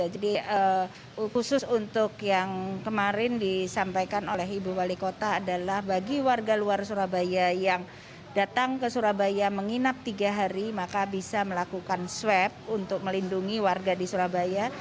jadi khusus untuk yang kemarin disampaikan oleh ibu wali kota adalah bagi warga luar surabaya yang datang ke surabaya menginap tiga hari maka bisa melakukan swab untuk melindungi warga di surabaya